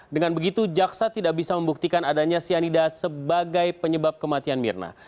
dengan begitu jaksa tidak bisa membuktikan adanya cyanida sebagai penyebab kematian mirna